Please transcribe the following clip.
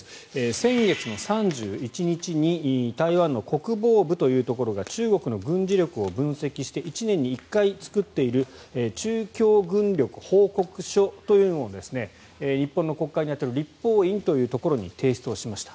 先月の３１日に台湾の国防部というところが中国の軍事力を分析して１年に１回作っている中共軍力報告書というのを日本の国会に当たる立法院というところに提出しました。